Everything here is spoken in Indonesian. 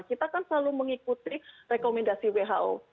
kita kan selalu mengikuti rekomendasi who